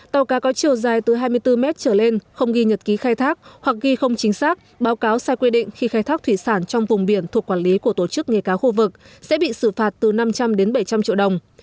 tàu cá có chiều dài từ hai mươi bốn mét trở lên không ghi nhật ký khai thác hoặc ghi không chính xác báo cáo sai quy định khi khai thác thủy sản trong vùng biển thuộc quản lý của tổ chức nghề cá khu vực sẽ bị xử phạt từ năm trăm linh đến bảy trăm linh triệu đồng